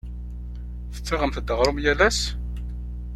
Tettaɣemt-d aɣrum yal ass?